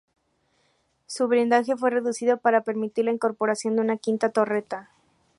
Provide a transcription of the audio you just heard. Su blindaje fue reducido para permitir la incorporación de una quinta torreta.